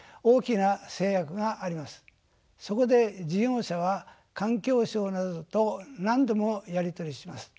そこで事業者は環境省などと何度もやり取りします。